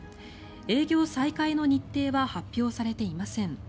営業再開の日程は発表されていません。